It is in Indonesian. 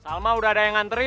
salma udah ada yang ngantri